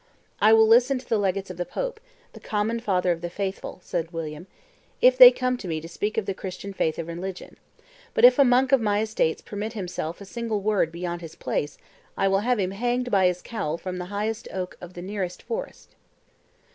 "I will listen to the legates of the Pope, the common father of the faithful," said William, "if they come to me to speak of the Christian faith and religion; but if a monk of my Estates permit himself a single word beyond his place, I will have him hanged by his cowl from the highest oak of the nearest forest."